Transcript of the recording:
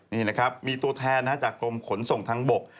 นี่นะครับมีตัวแทนจากกรมขนส่งทางบก